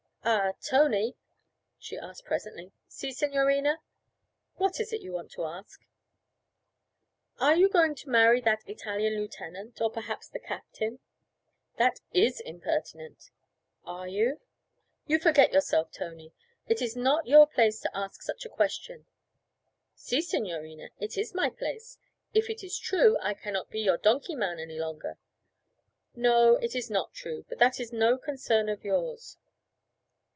'Ah, Tony?' she asked presently. 'Si, signorina?' 'What is it you want to ask?' 'Are you going to marry that Italian lieutenant or perhaps the captain?' 'That is impertinent.' 'Are you?' 'You forget yourself, Tony. It is not your place to ask such a question.' 'Si, signorina; it is my place. If it is true I cannot be your donkey man any longer.' 'No, it is not true, but that is no concern of yours.'